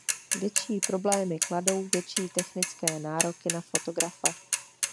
Větší problémy kladou větší technické nároky na fotografa.